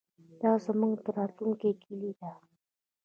دا زموږ د راتلونکي کلي ده.